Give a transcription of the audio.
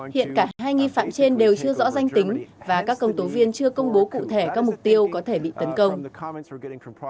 hiện cả hai nghi phạm trên đều chưa rõ danh tính và các công tố viên chưa công bố cụ thể các mục tiêu có thể bị tấn công